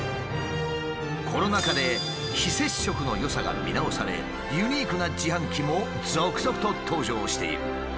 コロナ禍で非接触のよさが見直されユニークな自販機も続々と登場している。